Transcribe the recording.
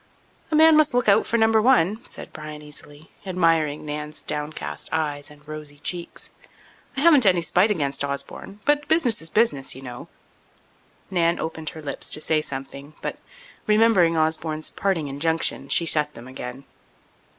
"A man must look out for Number One," said Bryan easily, admiring Nan's downcast eyes and rosy cheeks. "I haven't any spite against Osborne, but business is business, you know." Nan opened her lips to say something but, remembering Osborne's parting injunction, she shut them again.